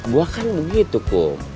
gue kan begitu kum